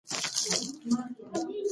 تاسي باید د لوبې په میدان کې غږ ونه کړئ.